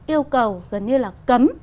yêu cầu gần như là cấm